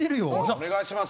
お願いします。